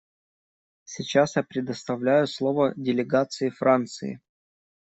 Сейчас я предоставляю слово делегации Франции.